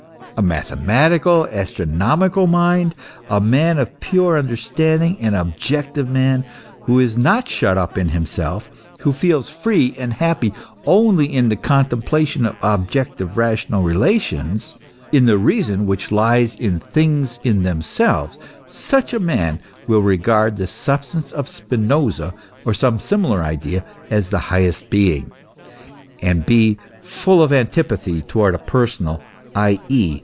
A mathematical, astro nomical mind, a man of pure understanding, an objective man, who is not shut up in himself, who feels free and happy only in the contemplation of objective rational relations, in the reason which lies in things in themselves such a man will regard the substance of Spinoza, or some similar idea, as his highest being, and be full of antipathy towards a personal, i. e.